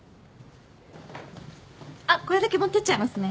あっこれだけ持ってっちゃいますね。